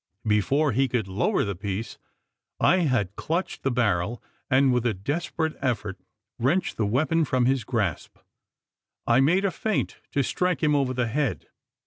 Before he could lower the piece, I had clutched the barrel: and, with a desperate effort, wrenched the weapon from his grasp. I made a feint to strike him over the head.